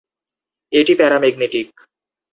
এটি প্যারামেগনেটিক।